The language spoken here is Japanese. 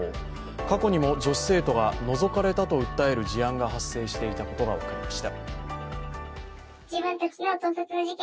過去にも女子生徒がのぞかれると訴える事案が発生していたことが分かりました。